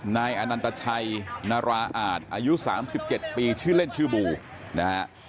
นายอนันตชัยนาราอาจอายุ๓๗ปีชื่อเล่นชื่อบูนะฮะ